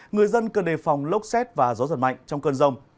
người dân cần đề phòng lốc xét và gió giật mạnh trong cơn rông